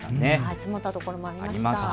積もった所もありました。